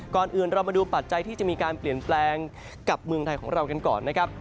ก่อนอื่นเรามาดูปัจจัยที่จะมีการเปลี่ยนแปลงกับเมืองไทยของเรากันก่อนนะครับ